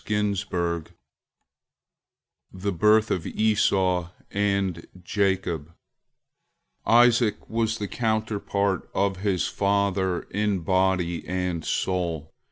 VI JACOB THE BIRTH OF ESAU AND JACOB Isaac was the counterpart of his father in body and soul.